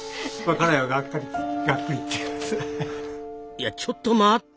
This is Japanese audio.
いやちょっと待った！